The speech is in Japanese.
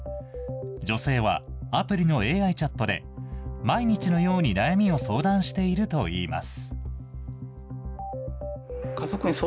女性は、アプリのＡＩチャットで、毎日のように悩みを相談しているといいます。